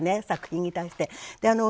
作品に対して。